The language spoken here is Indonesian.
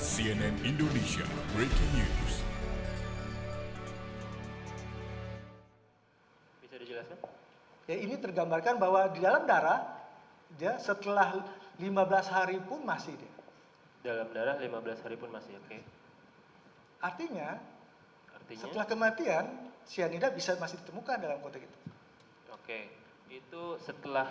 sianen indonesia breaking news